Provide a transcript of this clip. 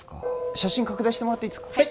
写真拡大してもらっていいですかはい